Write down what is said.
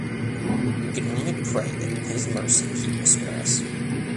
We can only pray that in His mercy He will spare us.